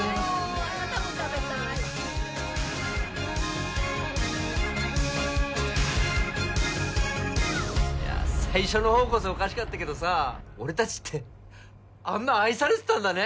もうあなたも食べたいいや最初の方こそおかしかったけどさ俺達ってあんな愛されてたんだね